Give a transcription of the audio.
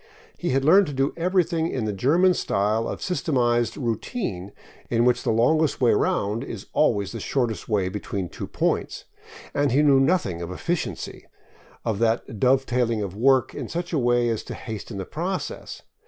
He had learned to do everything in the German style of systematized routine, in which the longest way round is always the shortest way between two points ; and he knew nothing of " efficiency," of that dovetailing of work in such a way as to hasten the process.